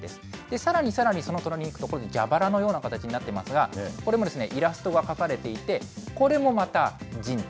さらにさらに、その隣にいくと、蛇腹のような形になってますが、これもイラストが描かれていて、これもまたＺＩＮＥと。